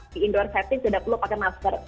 di indoor setting sudah perlu pakai masker